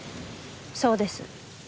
そうです。